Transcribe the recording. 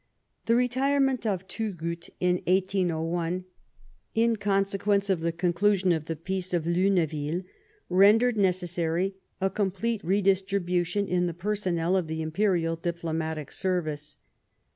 The retirement of Thugut in 1801 in consequence of the conclusion of the Peace of Luneville, rendered necessary a complete redistribution in the liersonnel of the Imperial diplomatic service.